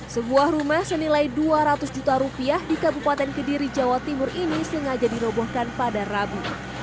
sebuah rumah senilai dua ratus juta rupiah di kabupaten kediri jawa timur ini sengaja dirobohkan pada rabu